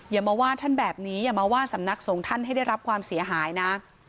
อย่ามาว่าท่านแบบนี้อย่ามาว่าสำนักสงฆ์ท่านให้ได้รับความเสียหายนะ